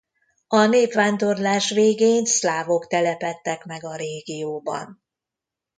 A népvándorlás végén szlávok telepedtek meg a régióban.